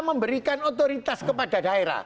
memberikan otoritas kepada daerah